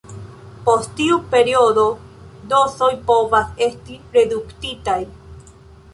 Post tiu periodo, dozoj povas esti reduktitaj.